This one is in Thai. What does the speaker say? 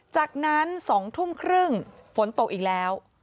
จากนั้น๒ทุ่มครึ่งฝนตกอีกแล้ว